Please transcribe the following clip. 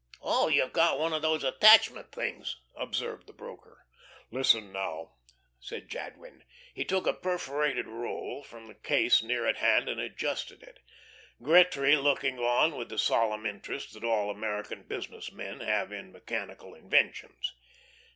"Oh, you've got one of those attachment things," observed the broker. "Listen now," said Jadwin. He took a perforated roll from the case near at hand and adjusted it, Gretry looking on with the solemn interest that all American business men have in mechanical inventions.